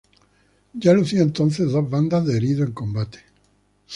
Ya lucía entonces dos bandas de herido en combate.